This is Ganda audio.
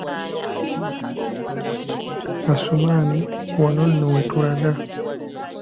Asumani wano nno wetulaga.